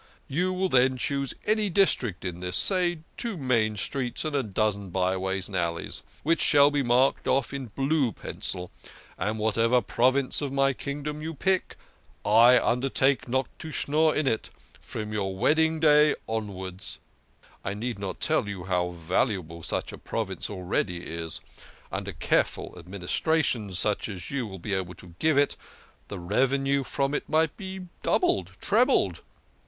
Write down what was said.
You will then choose any district in this say, two main streets 104 THE KING OF SCHNORRERS. and a dozen byways and alleys which shall be marked off in blue pencil, and whatever province of my kingdom you pick, I undertake not to schnorr in, from your wedding day on wards. I need not tell you how valu able such a prov ince already is ; under careful ad ministration, such as you would be able to give it, the revenue from it might be doubled, trebled.